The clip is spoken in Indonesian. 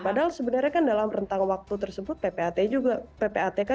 padahal sebenarnya kan dalam rentang waktu tersebut ppatk juga pasti sudah mengatakan